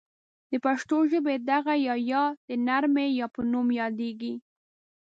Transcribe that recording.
د پښتو ژبې دغه یا ی د نرمې یا په نوم یادیږي.